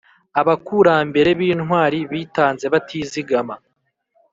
Abakurambere b’intwari bitanze batizigama